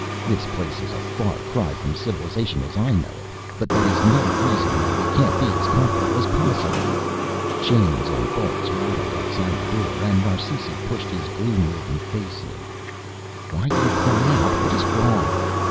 "This place is a far cry from civilization as I know it, but that is no reason why we can't be as comfortable as possible." Chains and bolts rattled outside the door and Narsisi pushed his gloom ridden face in. "Why do you cry out? What is wrong?"